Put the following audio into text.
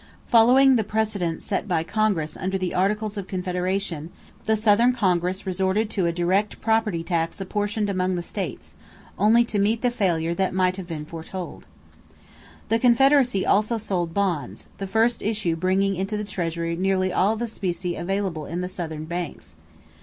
Following the precedent set by Congress under the Articles of Confederation, the Southern Congress resorted to a direct property tax apportioned among the states, only to meet the failure that might have been foretold. The Confederacy also sold bonds, the first issue bringing into the treasury nearly all the specie available in the Southern banks.